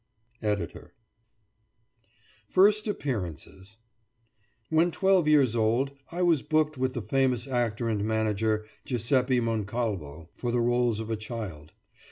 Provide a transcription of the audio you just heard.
ED.] FIRST APPEARANCES WHEN twelve years old, I was booked with the famous actor and manager, Giuseppe Moncalvo, for the roles of a child.